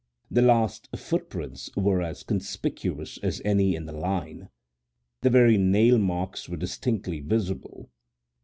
The last footprints were as conspicuous as any in the line; the very nail marks were distinctly visible.